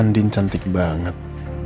andien cantik banget